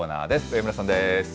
上村さんです。